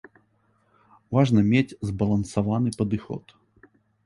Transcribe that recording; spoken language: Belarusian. Важна мець збалансаваны падыход.